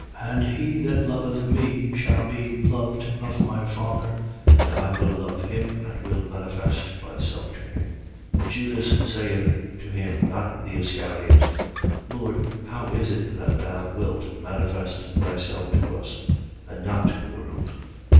And he that loveth me shall be loved of my Father: and I will love him and will manifest myself to him. 14:22. Judas saith to him, not the Iscariot: Lord, how is it that thou wilt manifest thyself to us, and not to the world?